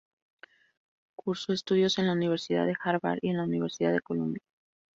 Cursó estudios en la Universidad de Harvard y en la Universidad de Columbia.